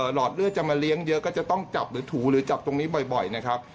หอดเลือดจะมาเลี้ยงเยอะก็จะต้องจับหรือถูหรือจับตรงนี้บ่อยนะครับ